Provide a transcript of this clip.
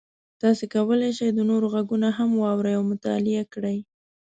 تاسو کولی شئ د نورو غږونه هم واورئ او مطالعه کړئ.